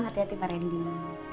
hati hati pak randy